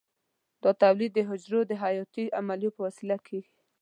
دا تولید د حجرو د حیاتي عملیو په وسیله کېږي.